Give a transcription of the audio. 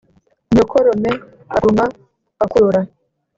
Nyokorome akuruma akurora.